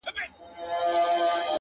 اوس دادی;